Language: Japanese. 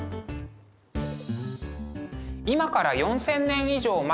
今から４，０００年以上前